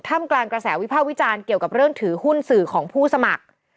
มกลางกระแสวิภาควิจารณ์เกี่ยวกับเรื่องถือหุ้นสื่อของผู้สมัคร